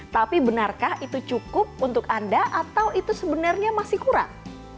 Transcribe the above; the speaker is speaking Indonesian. tapi benarkah itu cukup untuk anda atau itu sebenarnya masih kurang